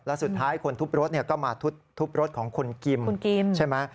แล้วสุดท้ายคนทุบรถก็มาทุบรถของคุณกริม